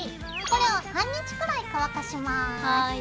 これを半日くらい乾かします。